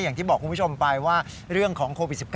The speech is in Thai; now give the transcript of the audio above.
อย่างที่บอกคุณผู้ชมไปว่าเรื่องของโควิด๑๙